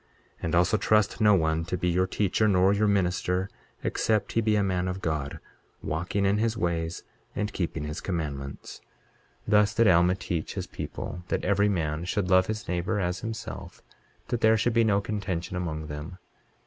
23:14 And also trust no one to be your teacher nor your minister, except he be a man of God, walking in his ways and keeping his commandments. 23:15 Thus did Alma teach his people, that every man should love his neighbor as himself, that there should be no contention among them.